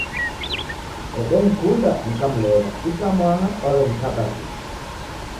Odenikunda nikamlegha itamwaha waw'enikaba vita.